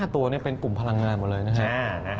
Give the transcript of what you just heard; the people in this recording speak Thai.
๔๕ตัวเป็นกลุ่มพลังงาน